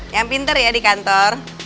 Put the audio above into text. yang pinter ya di kantor